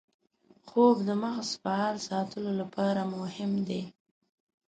خوب د مغز فعال ساتلو لپاره مهم دی